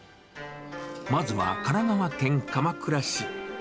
まずは神奈川県鎌倉市。